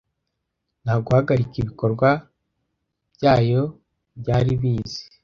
Nta guhagarika ibikorwa byayo byari bizi;